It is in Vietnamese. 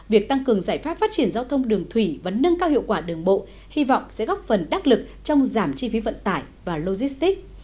việc tăng cường giải pháp phát triển giao thông đường thủy và nâng cao hiệu quả đường bộ hy vọng sẽ góp phần đắc lực trong giảm chi phí vận tải và logistics